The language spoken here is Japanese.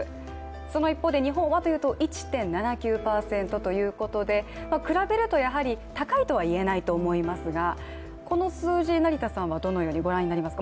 その一方で日本は、１．７９％ということで比べると高いとは言えないと思いますが、この数字、成田さんはどのように御覧になりますか？